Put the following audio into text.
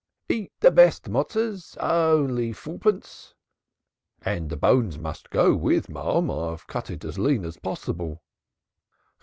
"Eat the best Motsos. Only fourpence " "The bones must go with, marm. I've cut it as lean as possible."